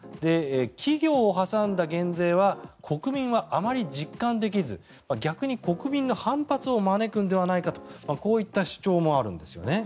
企業を挟んだ減税は国民はあまり実感できず逆に国民の反発を招くのではないかとこういった主張もあるんですね。